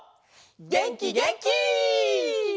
げんきげんき！